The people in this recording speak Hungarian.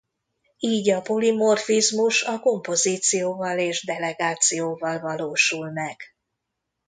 Így a polimorfizmus a kompozícióval és delegációval valósul meg.